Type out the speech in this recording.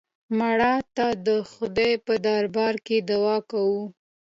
مړه ته د خدای په دربار کې دعا کوو